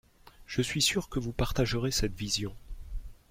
Je suis sûr que vous partagerez cette vision.